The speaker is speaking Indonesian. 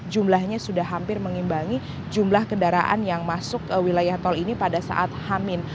jumlahnya sudah hampir mengimbangi jumlah kendaraan yang masuk ke wilayah tol ini pada saat hamin